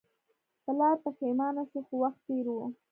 پلار پښیمانه شو خو وخت تیر و.